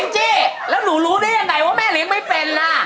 จี้แล้วหนูรู้ได้ยังไงว่าแม่เลี้ยงไม่เป็นล่ะ